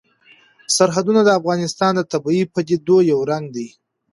سرحدونه د افغانستان د طبیعي پدیدو یو رنګ دی.